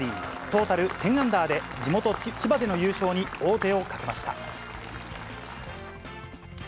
トータル１０アンダーで地元、千葉での優勝に王手をかけました。